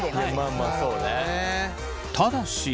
ただし。